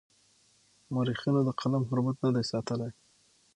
مورخينو د قلم حرمت نه دی ساتلی.